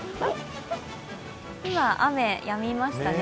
今、雨やみましたね。